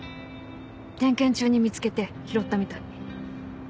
点検中に見つけて拾ったみたい。